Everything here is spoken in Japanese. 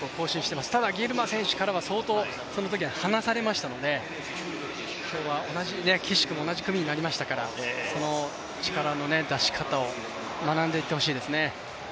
ただそのときにはギルマ選手に相当離されましたので、今日はくしくも同じ組になりましたから、今日は力の出し方を学んでいってほしいですね。